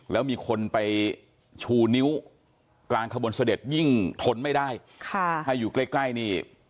แล้วมีคนไปชูนิ้วกลางขบวนเสด็จยิ่งทนไม่ได้ค่ะถ้าอยู่ใกล้ใกล้นี่